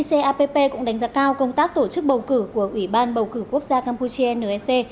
icapp cũng đánh giá cao công tác tổ chức bầu cử của ủy ban bầu cử quốc gia campuchia nec